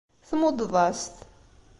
Tmuddeḍ-as-t.